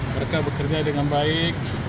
mereka bekerja dengan baik